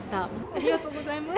ありがとうございます。